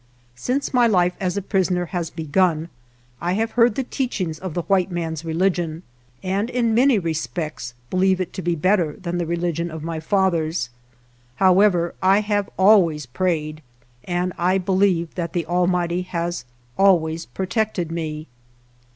Since my life as a prisoner has begun I have heard the teachings of the white man's religion, and in many respects believe it to be better than the religion of my fathers. However, I have always prayed, and I be lieve that the Almighty has always pro tected me.